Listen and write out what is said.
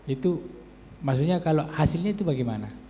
itu maksudnya kalau hasilnya itu bagaimana